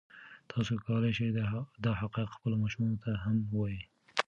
تاسو کولی شئ دا حقایق خپلو ماشومانو ته هم ووایئ.